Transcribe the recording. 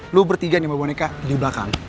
lo bertiga nih sama boneka di belakang